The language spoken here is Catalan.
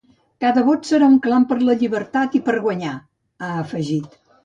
Cada vot serà un clam per la llibertat i per guanyar, ha afegit.